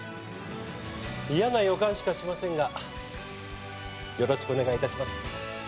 嫌な予感しかしませんがよろしくお願い致します。